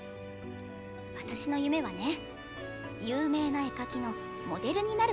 私の夢はね有名な絵描きのモデルになることなの。